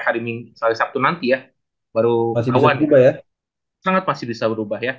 hari minggu malu sabtu nanti ya baru awal masih berubah ya sangat masih bisa berubah ya